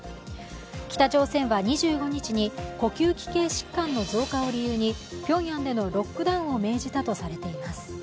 北朝鮮は２５日に呼吸器系疾患の増加を理由にピョンヤンでのロックダウンを命じたとされています。